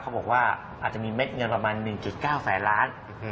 เขาบอกว่าอาจจะมีเม็ดเงินประมาณ๑๙แสนล้าน